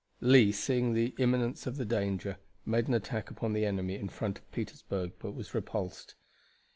Lee, seeing the imminence of the danger, made an attack upon the enemy in front of Petersburg, but was repulsed.